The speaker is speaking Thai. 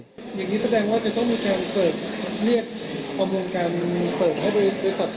แต่ก็ว่าจะสมมุติ